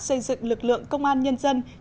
xây dựng lực lượng công an nhân dân